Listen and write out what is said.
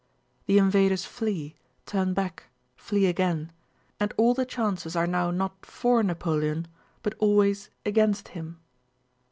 The invaders flee, turn back, flee again, and all the chances are now not for Napoleon but always against him.